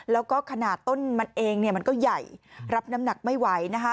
แล้วก็ขนาดต้นมันเองมันก็ใหญ่รับน้ำหนักไม่ไหวนะคะ